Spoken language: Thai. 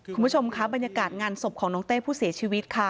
คุณผู้ชมค่ะบรรยากาศงานศพของน้องเต้ผู้เสียชีวิตค่ะ